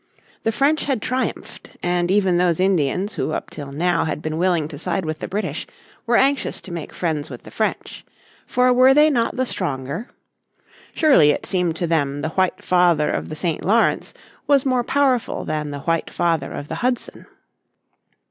The French had triumphed, and even those Indians who up till now had been willing to side with the British were anxious to make friends with the French. For were they not the stronger? Surely it seemed to them the White Father of the St. Lawrence was more powerful than the White Father of the Hudson.